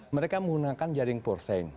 mereka menggunakan jaring porsen